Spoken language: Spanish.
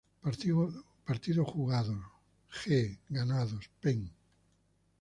Partidos Jugados, G. Ganados, Pen.